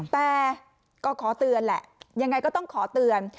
แต่ก็ขอเตือนแหละยังไงก็ต้องขอเตือน